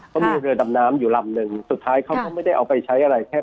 เขามีเรือดำน้ำอยู่ลำหนึ่งสุดท้ายเขาก็ไม่ได้เอาไปใช้อะไรแค่